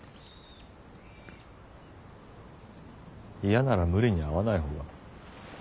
嫌なら無理に会わない方が。